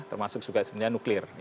termasuk juga sebenarnya nuklir